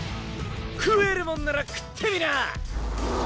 食えるもんなら食ってみな。